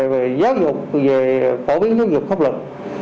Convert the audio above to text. về giáo dục về phổ biến giáo dục khắp lực